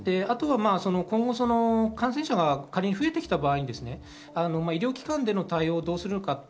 今後、感染者が仮に増えてきた場合、医療機関での対応をどうするのか。